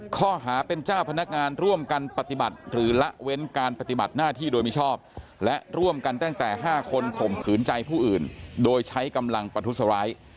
ข้อหาเป็นเจ้าพนักงานร่วมกันปฏิบัติหรือละเว้นการปฏิบัติหน้าที่โดยมิชอบและร่วมกันตั้งแต่๕คนข่มขืนใจผู้อื่นโดยใช้กำลังประทุษร้าย